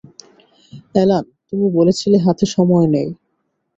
Alan, তুমি বলেছিলে হাতে সময় নেই।